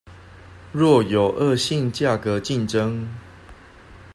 若有惡性價格競爭